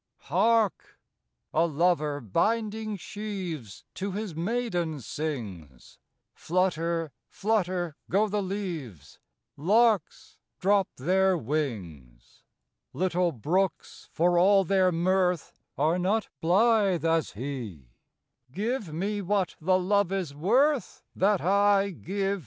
TTARK ! a lover binding sheaves To his maiden sings, Flutter, flutter go the leaves, Larks drop their wings. Little brooks for all their mirth Are not blythe as he " Give me what the love is worth That I give thee.